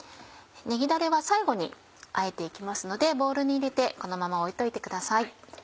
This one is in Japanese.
ねぎだれは最後にあえて行きますのでボウルに入れてこのまま置いといてください。